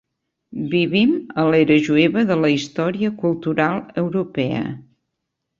Vivim a l'era jueva de la història cultural europea.